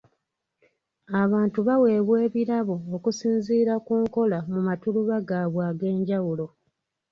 Abantu baweebwa ebirabo okusinzira ku nkola mu matuluba gaabwe eg'enjawulo.